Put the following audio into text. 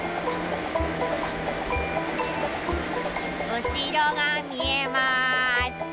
うしろがみえます。